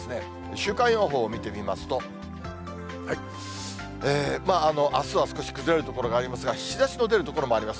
週間予報見てみますと、あすは少し崩れる所がありますが、日ざしの出る所もあります。